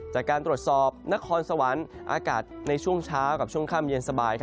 จากการตรวจสอบนครสวรรค์อากาศในช่วงเช้ากับช่วงค่ำเย็นสบาย